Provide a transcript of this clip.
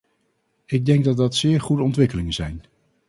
Ik denk dat dat zeer goede ontwikkelingen zijn.